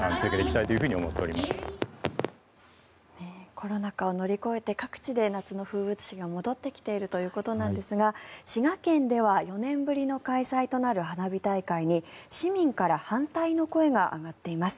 コロナ禍を乗り越えて各地で夏の風物詩が戻ってきているということなんですが滋賀県では４年ぶりの開催となる花火大会に市民から反対の声が上がっています。